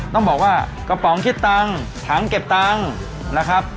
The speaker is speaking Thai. ต้องบอกว่ากระป๋องคิดตังค์ถังเก็บตังค์นะครับ